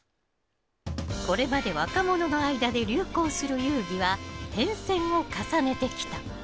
これまで若者の間で流行する遊戯は変遷を重ねてきた。